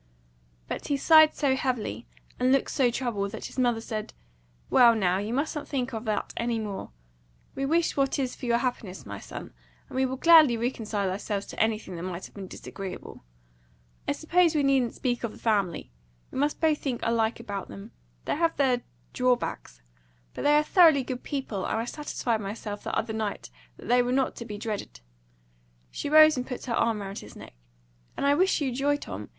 But he sighed so heavily, and looked so troubled, that his mother said, "Well, now, you mustn't think of that any more. We wish what is for your happiness, my son, and we will gladly reconcile ourselves to anything that might have been disagreeable. I suppose we needn't speak of the family. We must both think alike about them. They have their drawbacks, but they are thoroughly good people, and I satisfied myself the other night that they were not to be dreaded." She rose, and put her arm round his neck. "And I wish you joy, Tom!